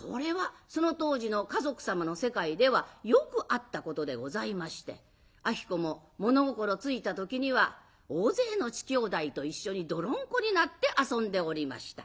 これはその当時の華族様の世界ではよくあったことでございまして子も物心付いた時には大勢の乳兄弟と一緒に泥んこになって遊んでおりました。